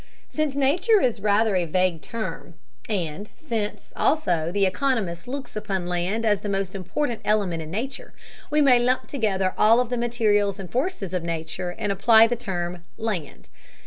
Since Nature is rather a vague term, and since, also, the economist looks upon land as the most important element in Nature, we may lump together all of the materials and forces of Nature and apply the term "land."